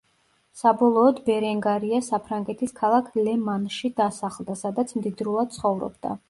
საბოლოოდ ბერენგარია საფრანგეთის ქალაქ ლე-მანში დასახლდა სადაც მდიდრულად ცხოვრობდა.